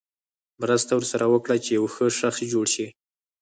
مرسته ورسره وکړه چې یو ښه شخص جوړ شي.